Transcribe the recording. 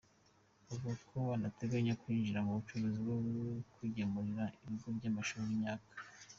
Avuga ko anateganya kwinjira mu bucuruzi bwo kugemurira ibigo by’amashuri imyaka.